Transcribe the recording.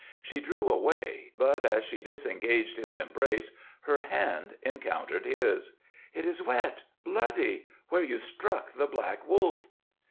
She drew away, but as she disengaged his embrace her hand encountered his. "It is wet bloody where you struck the Black Wolf."